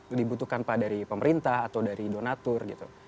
itu dibutuhkan pak dari pemerintah atau dari donatur gitu